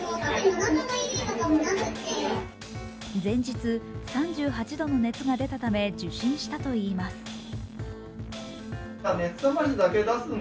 前日、３８度の熱が出たため受診したといいます。